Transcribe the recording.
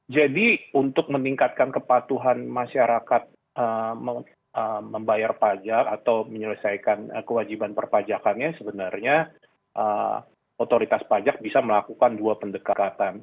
jadi untuk meningkatkan kepatuhan masyarakat membayar pajak atau menyelesaikan kewajiban perpajakannya sebenarnya otoritas pajak bisa melakukan dua pendekatan